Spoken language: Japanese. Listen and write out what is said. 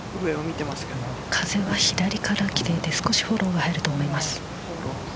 風は左から来ていて少しフォロー入ると思います。